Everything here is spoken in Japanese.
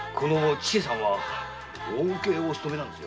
千勢さんは大奥へお勤めなんですよ。